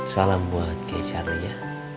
salam buat kay charlie ya